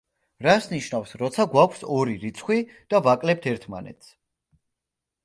რას ნიშნავს, როცა გვაქვს ორი რიცხვი და ვაკლებთ ერთმანეთს.